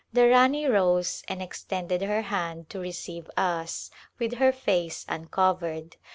The Rani rose and extended her hand to receive us, with her face uncovered.